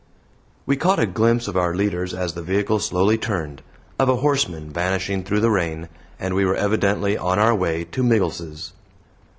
We caught a glimpse of our leaders as the vehicle slowly turned, of a horseman vanishing through the rain, and we were evidently on our way to Miggles's.